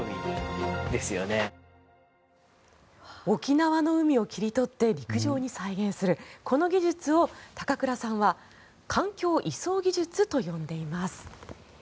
沖縄の海を切り取って陸上に再現するこの技術を高倉さんは環境移送技術と呼んでいます。